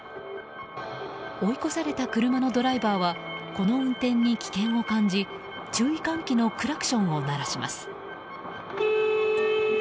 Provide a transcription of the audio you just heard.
追い越された車のドライバーはこの運転に危険を感じ注意喚起のクラクションを鳴らします。